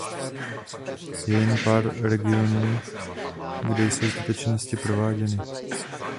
Je jen pár regionů, kde jsou tyto činnosti prováděny.